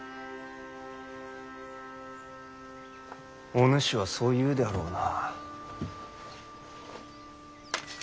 お主はそう言うであろうな。